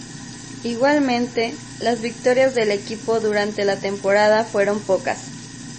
Igualmente, las victorias del equipo durante la temporada fueron pocas.